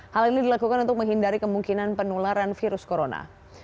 hal ini dilakukan untuk menghindari kemungkinan penularan virus corona